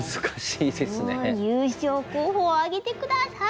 優勝候補を挙げて下さい！